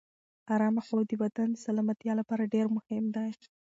ارامه خوب د بدن د سلامتیا لپاره ډېر مهم دی.